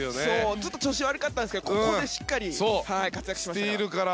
ずっと調子が悪かったんですがここでしっかり活躍しましたから。